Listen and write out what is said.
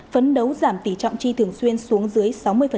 phấn đấu giảm tỉ trọng chi thường xuyên xuống dưới sáu mươi